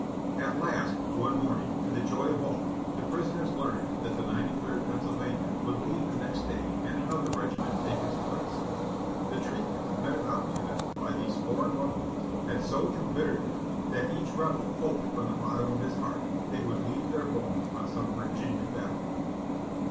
At last one morning, to the joy of all, the prisoners learned that the Ninety third Pennsylvania would leave the next day and another regiment take its place. The treatment meted out to them by these foreign ruf^ans had so embittered them that each Rebel hoped from the bottom of his heart they would leave their bones on some Virginia battle field.